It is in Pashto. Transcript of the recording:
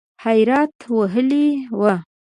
حیرت وهلی و .